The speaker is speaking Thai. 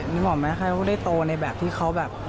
นึกออกไหมคะเขาได้โตในแบบที่เขาแบบ